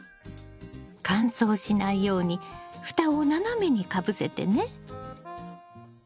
乾燥しないように蓋を斜めにかぶせてね。